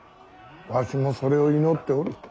わしもそれを祈っておる。